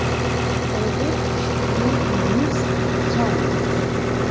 Europaspielen in Minsk teil.